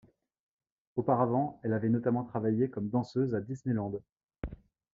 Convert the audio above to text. Auparavant, elle avait notamment travaillé comme danseuse à Disneyland.